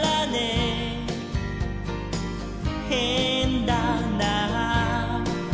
「へんだなぁ」